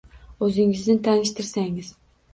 O'zingizni tanishtirsangiz.